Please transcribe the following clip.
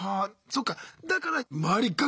そっかだから周り